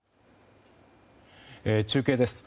中継です。